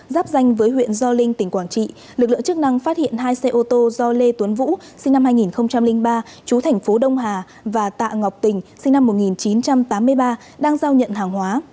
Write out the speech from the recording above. gio linh tỉnh quảng trị lực lượng chức năng phát hiện hai xe ô tô do lê tuấn vũ sinh năm hai nghìn ba chú thành phố đông hà và tạ ngọc tình sinh năm một nghìn chín trăm tám mươi ba đang giao nhận hàng hóa